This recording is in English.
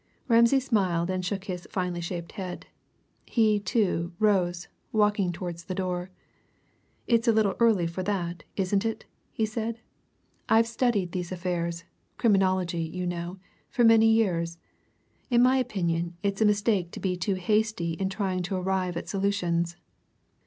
Ramsay smiled and shook his finely shaped head. He, too, rose, walking towards the door. "It's a little early for that, isn't it?" he said. "I've studied these affairs criminology, you know for many years. In my opinion, it's a mistake to be too hasty in trying to arrive at solutions.